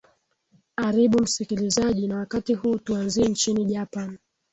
aribu msikilizaji na wakati huu tuanzie nchini japan